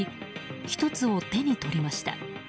１つを手に取りました。